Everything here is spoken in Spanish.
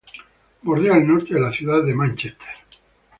Bordea el norte de la ciudad de Mánchester.